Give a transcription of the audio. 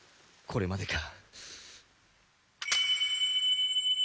これまでか。